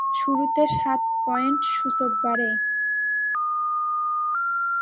শুরুতে সাত পয়েন্ট সূচক বাড়ে।